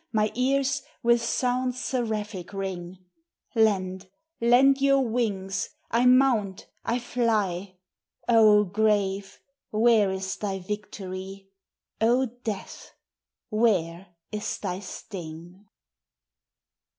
my ears With sounds seraphic ring : Lend, lend your wings ! I mount ! I fly ! O Grave! where is thy victory? O Death ! where is thy sting?